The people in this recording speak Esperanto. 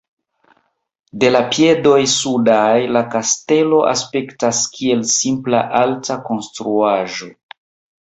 De la piedoj sudaj la kastelo aspektas kiel simpla alta konstruaĵo.